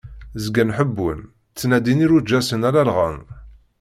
Zgan ḥebbun, ttnadin irunǧasen ara llɣen.